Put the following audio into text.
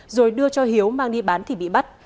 rồi đưa cho hiếu mang đi bán thì bị bắt